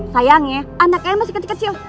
sayangnya anaknya masih kecil kecil